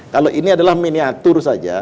kalau ini adalah miniatur saja